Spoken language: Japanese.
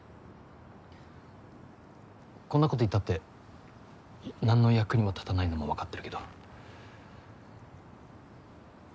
こんなこと言ったって何の役にも立たないのもわかってるけど。